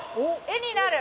絵になる。